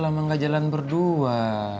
emang gak jalan berdua